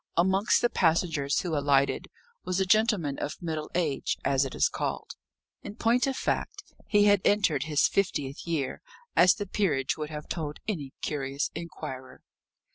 Amongst the passengers who alighted, was a gentleman of middle age, as it is called in point of fact, he had entered his fiftieth year, as the peerage would have told any curious inquirer.